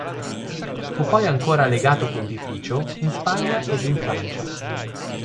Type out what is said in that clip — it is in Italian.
Fu poi ancora legato pontificio in Spagna ed in Francia.